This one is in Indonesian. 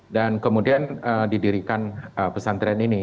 dan kemudian didirikan pesan tren ini